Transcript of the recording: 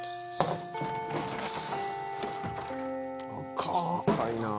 赤いなぁ。